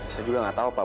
saya juga nggak tau pak